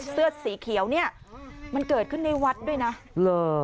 เสื้อสีเขียวเนี่ยมันเกิดขึ้นในวัดด้วยนะเหรอ